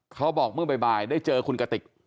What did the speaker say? เขาบอกเมื่อบ่ายได้เจอคุณกติก